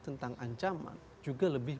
tentang ancaman juga lebih